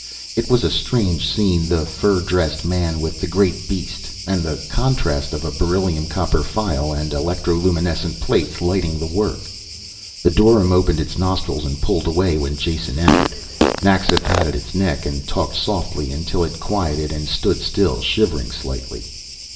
It was a strange scene. The fur dressed man with the great beast and the contrast of a beryllium copper file and electroluminescent plates lighting the work. The dorym opened its nostrils and pulled away when Jason entered; Naxa patted its neck and talked softly until it quieted and stood still, shivering slightly.